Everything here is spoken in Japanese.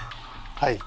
はい。